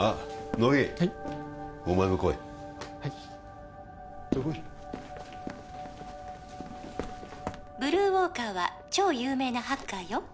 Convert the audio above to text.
乃木はいお前も来いはいさあ来い「ブルーウォーカーは超有名なハッカーよ」